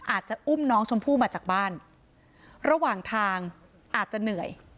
อาจจะอุ้มน้องชมพู่มาจากบ้านระหว่างทางอาจจะเหนื่อย